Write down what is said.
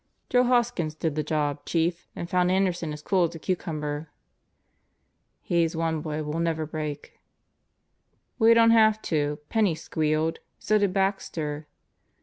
"Joe Hoskins did the job, Chief and found Anderson as cool as a cucumber." "He's one boy we'll never break." "We don't have to. Penney squealed; so did Baxter."